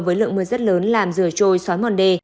với lượng mưa rất lớn làm rửa trôi xói mòn đê